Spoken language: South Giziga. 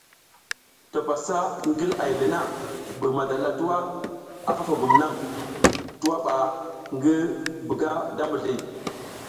To pasa ngil ay le na, Buy madala twa a fa fugum naŋ twa ɓa ngi buga da mizli.